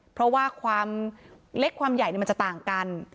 เพราะว่าความเล็กความใหญ่มันจะต่างกัน